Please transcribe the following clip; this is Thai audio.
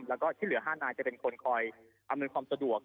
แล้วก็ที่เหลือ๕นายจะเป็นคนคอยอำนวยความสะดวก